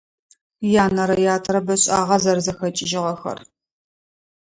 Янэрэ ятэрэ бэшIагъэ зэрэзэхэкIыжьыгъэхэр.